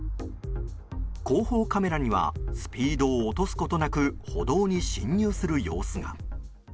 後方カメラにはスピードを落とすことなく歩道に進入する様子が。